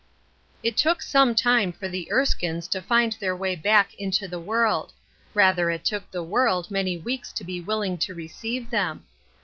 T took some time for the Erskines to find their way back into the world — rather it took the world many weeks to be willing to receive them.